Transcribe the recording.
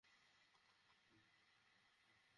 সব খোদার ইচ্ছা।